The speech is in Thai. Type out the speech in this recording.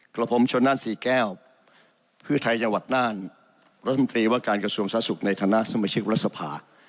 กรปมชนนานสี่แก้วพฤธัยญวัตนานรัฐมนตรีว่าการกระทรวงสาสุขในฐานะสมชิกรัฐสภา